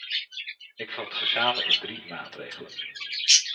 Ik vat ze samen in drie maatregelen.